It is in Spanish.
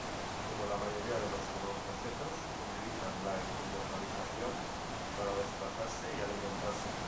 Como la mayoría de los odontocetos utilizan la ecolocalización para desplazarse y alimentarse.